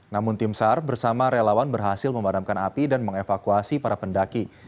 namun tim sar bersama relawan berhasil memadamkan api dan mengevakuasi para pendaki